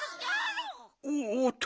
おおっと。